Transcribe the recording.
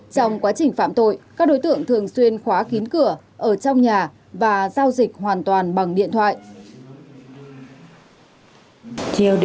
trong quá trình phạm tội các đối tượng thường xuyên khóa kín cửa ở trong nhà và giao dịch hoàn toàn bằng điện thoại